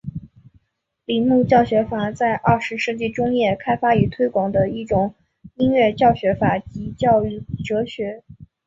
铃木教学法在二十世纪中叶开发与推广的一种音乐教学法及教育哲学。